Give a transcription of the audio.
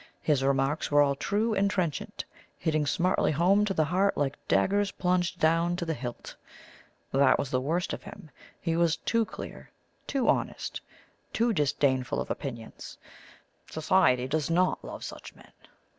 His remarks were all true and trenchant hitting smartly home to the heart like daggers plunged down to the hilt. That was the worst of him he was too clear too honest too disdainful of opinions. Society does not love such men.